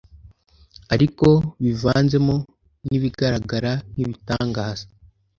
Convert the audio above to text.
ariko bivanzemo n'ibigaragara nk'ibitangaza.